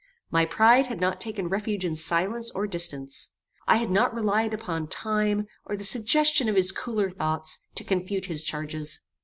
My pride had not taken refuge in silence or distance. I had not relied upon time, or the suggestion of his cooler thoughts, to confute his charges.